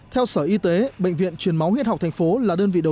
theo sở y tế bệnh viện truyền máu huyết học tp hcm là đơn vị đầu tư